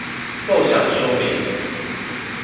構想說明